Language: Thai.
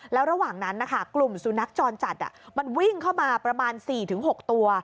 แล้วระหว่างนั้นนะคะกลุ่มสุนัขจรจัดมันวิ่งเข้ามาประมาณ๔๖ตัว